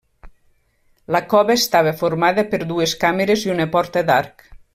La cova estava formada per dues càmeres i una porta d'arc.